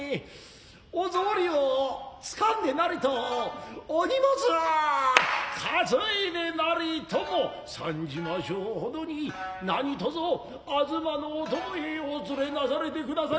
お草履をつかんでなりとお荷物をかついでなりとも参じましょう程に何卒東のお供へお連れなされて下さりませ。